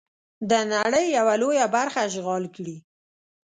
د نړۍ یوه لویه برخه اشغال کړي.